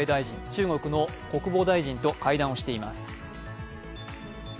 中国の国防大臣と会談をしています。